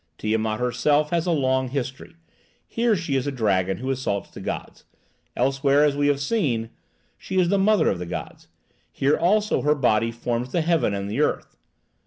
Tiamat herself has a long history. Here she is a dragon who assaults the gods; elsewhere, as we have seen, she is the mother of the gods; here also her body forms the heaven and the earth.